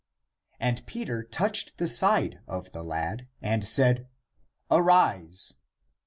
And Peter touched the side of the lad, and said, " Arise."